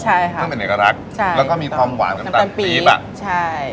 ใช่ค่ะเพิ่งเป็นเนื้อรักแล้วก็มีความหวานกับตังค์ปี๊บใช่